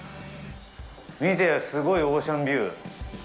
見て、すごいオーシャンビュー！